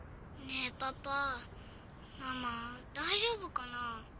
ねぇパパママ大丈夫かな？